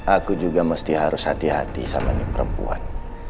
aku juga mesti harus hati hati sama perempuan